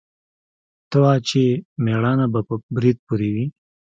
ته وا چې مېړانه به په برېت پورې وي.